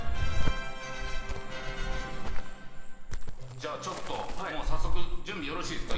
じゃあちょっともう早速準備よろしいですか？